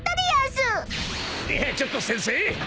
［いやちょっと先生